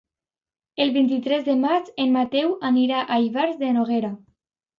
El vint-i-tres de maig en Mateu anirà a Ivars de Noguera.